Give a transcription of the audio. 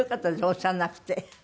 おっしゃらなくて。